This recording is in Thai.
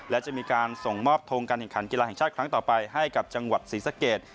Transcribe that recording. และจะมีการส่งมอบทงการแข่งขันกีฬาแห่งชาติครั้งต่อไปให้กับจังหวัดศรีสะเกด